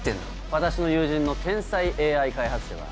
私の友人の天才ＡＩ開発者が。